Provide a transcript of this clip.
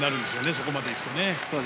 そこまで行くと。